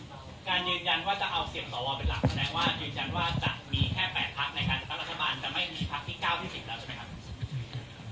การยืนยันว่าจะเอาเสียงสวเป็นหลักแสดงว่ายืนยันว่าจะมีแค่๘พักในการจัดตั้งรัฐบาลจะไม่มีพักที่๙ที่๑๐แล้วใช่ไหมครับ